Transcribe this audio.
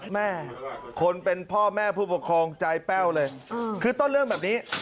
แม่คนเป็นพ่อแม่ผู้ปกครองใจแป้วเลยคือต้นเรื่องแบบนี้